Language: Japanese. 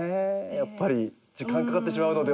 やっぱり時間かかってしまうので。